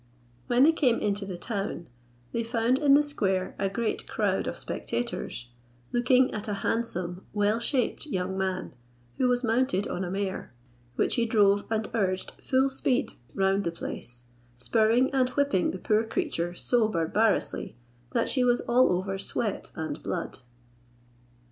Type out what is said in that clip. When they came into the town, they found in a square a great crowd of spectators, looking at a handsome well shaped young man, who was mounted on a mare, which he drove and urged full speed round the place, spurring and whipping the poor creature so barbarously, that she was all over sweat and blood.